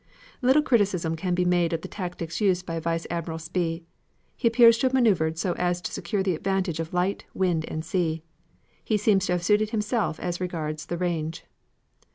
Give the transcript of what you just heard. Little criticism can be made of the tactics used by Vice Admiral Spee. He appears to have maneuvered so as to secure the advantage of light, wind and sea. He also seems to have suited himself as regards the range.